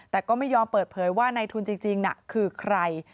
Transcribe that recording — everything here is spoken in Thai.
แต่ก็ไม่ยอมเปิดเผยว่าในทุนจริงคือใคร